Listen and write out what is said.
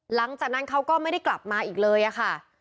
หลังจากนั้นเขาก็ไม่ได้กลับมาอีกเลยอะค่ะ